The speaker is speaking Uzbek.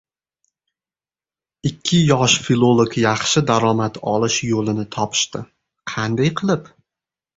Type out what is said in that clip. Ikki yosh filolog yaxshi daromad olish yo‘lini topishdi. Qanday qilib?